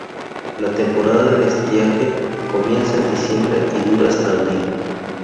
La temporada de estiaje comienza en diciembre y dura hasta abril.